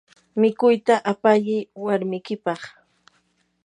mikuyta apayi warmikipaq.